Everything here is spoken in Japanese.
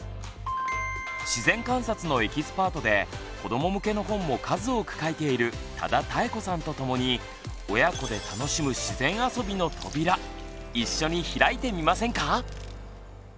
自然観察のエキスパートで子ども向けの本も数多く書いている多田多恵子さんと共に親子で楽しむ自然あそびの扉一緒に開いてみませんか？